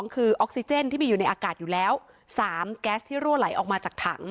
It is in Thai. คือออกซิเจนที่มีอยู่ในอากาศอยู่แล้ว๓แก๊สที่รั่วไหลออกมาจากถัง